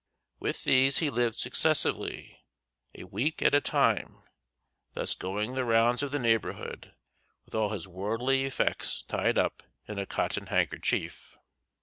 With these he lived successively a week at a time, thus going the rounds of the neighborhood with all his worldly effects tied up in a cotton handkerchief.